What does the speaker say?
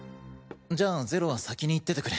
じゃあ零は先に行っててくれ！